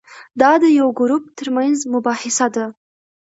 دا د یو ګروپ ترمنځ مباحثه ده.